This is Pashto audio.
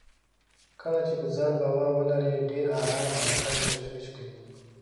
کله چې په ځان باور ولرئ، ډېر ارام او کم تشويش کوئ.